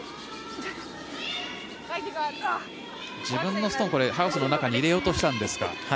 自分のストーン、ハウスの中に入れようとしたんですか。